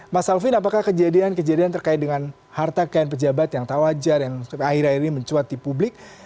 mas alvin apakah kejadian kejadian terkait dengan harta kekayaan pejabat yang tak wajar yang akhir akhir ini mencuat di publik